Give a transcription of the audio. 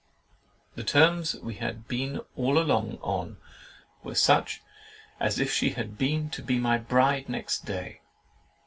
The terms we had been all along on were such as if she had been to be my bride next day.